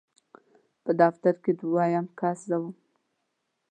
په دفتر کې دویم کس زه وم.